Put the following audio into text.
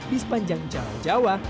di sepanjang jawa jawa